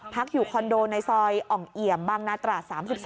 อยู่คอนโดในซอยอ่องเอี่ยมบางนาตรา๓๒